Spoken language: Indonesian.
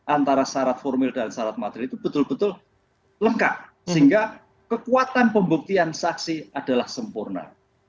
antara syarat formil dan syarat material itu betul betul lengkap sehingga kekuatan pembuktian saksi adalah sempurna